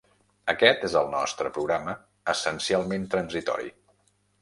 Aquest és el nostre programa, essencialment transitori.